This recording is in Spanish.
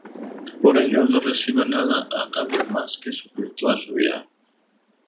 Por ello, no recibe nada a cambio más que sufrir toda su vida.